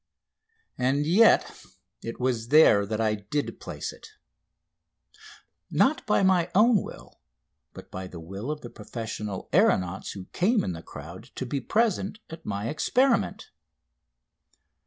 And yet it was there that I did place it, not by my own will, but by the will of the professional aeronauts who came in the crowd to be present at my experiment.